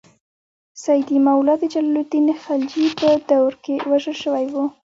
سیدي مولا د جلال الدین خلجي په دور کې وژل شوی و.